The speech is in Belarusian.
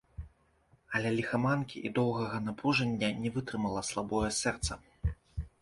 Але ліхаманкі і доўгага напружання не вытрымала слабое сэрца.